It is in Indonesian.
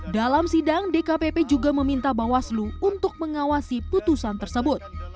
dalam sidang dkpp juga meminta bawaslu untuk mengawasi putusan tersebut